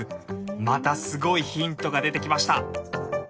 またすごいヒントが出てきました。